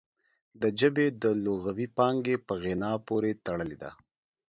د ژبې د لغوي پانګې په غنا پورې تړلې ده